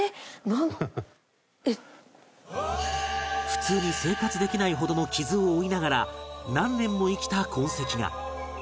普通に生活できないほどの傷を負いながら何年も生きた痕跡が